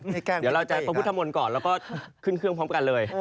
เดี๋ยวเราจะพระพุทธมนต์ก่อนแล้วก็ขึ้นเครื่องพร้อมกันเลย